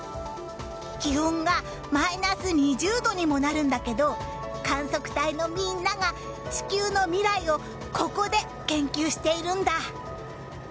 気温がマイナス２０度にもなるんだけど観測隊のみんなが、地球の未来をここで研究しているんだ。